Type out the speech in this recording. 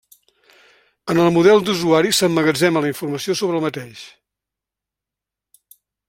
En el model d'usuari s'emmagatzema la informació sobre el mateix.